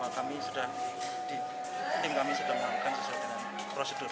kami sudah di tim kami sudah melakukan sesuai dengan prosedur